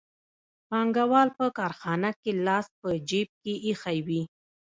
پانګوال په کارخانه کې لاس په جېب کې ایښی وي